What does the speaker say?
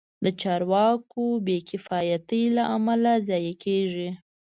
د چارواکو بې کفایتۍ له امله ضایع کېږي.